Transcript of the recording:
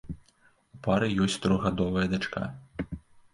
У пары ёсць трохгадовая дачка.